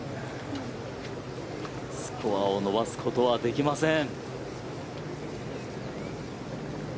スコアを伸ばすことはできません。